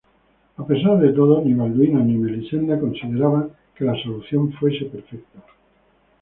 A pesar de todo, ni Balduino ni Melisenda consideraban que la solución fuese perfecta.